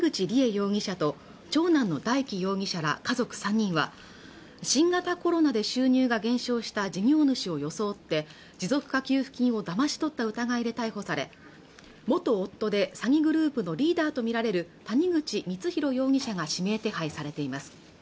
容疑者と長男の大祈容疑者ら家族３人は新型コロナで収入が減少した事業主を装って持続化給付金をだまし取った疑いで逮捕され元夫で詐欺グループのリーダーと見られる谷口光弘容疑者が指名手配されています